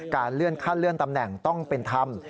เลื่อนขั้นเลื่อนตำแหน่งต้องเป็นธรรม